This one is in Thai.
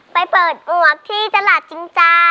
ไปเปิดอวกที่ตลาดจริงจ้า